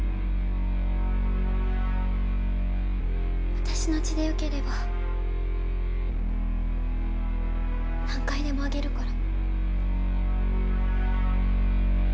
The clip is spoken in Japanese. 私の血でよければ何回でもあげるから。